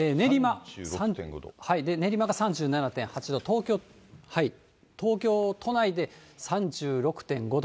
練馬が３７．８度、東京都内で３６．５度。